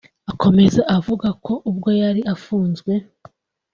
Akomeza avuga ko ubwo yari afunzwe